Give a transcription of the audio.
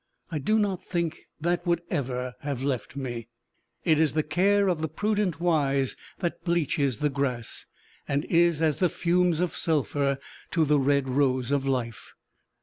I do not think that would ever have left me: it is the care of the prudent wise that bleaches the grass, and is as the fumes of sulphur to the red rose of life.